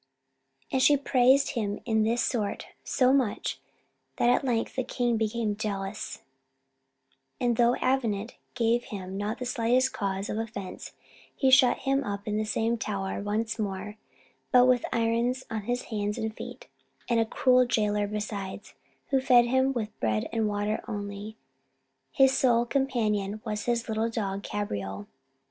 And she praised him in this sort so much, that at length the king became jealous; and though Avenant gave him not the slightest cause of offence, he shut him up in the same high tower once more but with irons on his hands and feet, and a cruel jailer besides, who fed him with bread and water only. His sole companion was his little dog Cabriole.